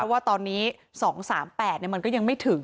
ว่าตอนนี้๒๓๘มันก็ยังไม่ถึง